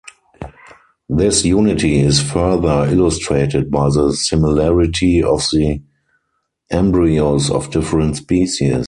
This unity is further illustrated by the similarity of the embryos of different species.